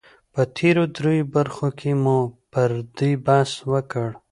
په تېرو دريو برخو کې مو پر دې بحث وکړ